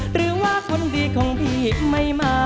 หรือว่าคนดีของพี่ไม่มา